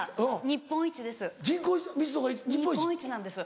日本一なんです。